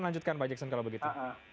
lanjutkan pak jackson kalau begitu